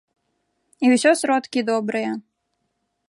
І ўсё сродкі добрыя.